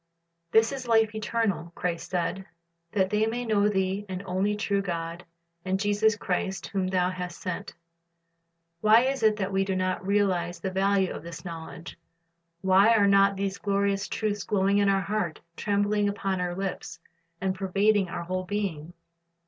"^ "This is life eternal," Christ said, "that they might know Thee the only true God, and Jesus Christ, whom Thou hast sent."' Why is it that we do not realize the value of this knowledge? Why are not these glorious truths glowing in our hearts, trembling upon our lips, and pervading our whole being?